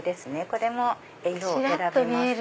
これも色を選べます。